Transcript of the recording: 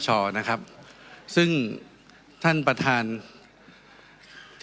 ต้องเท่าของ